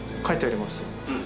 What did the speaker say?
書いてあります？